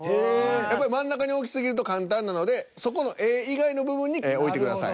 やっぱり真ん中に置き過ぎると簡単なのでそこの絵以外の部分に置いてください。